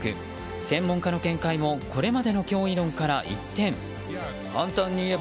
専門家の見解もこれまでの脅威論から一転。